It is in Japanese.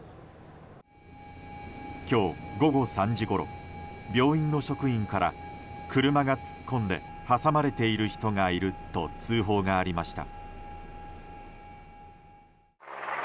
今日午後３時ごろ病院の職員から車が突っ込んで挟まれている人がいると通報がありました。